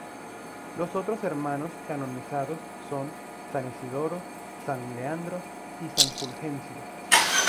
Los otros hermanos canonizados son San Isidoro, San Leandro y San Fulgencio.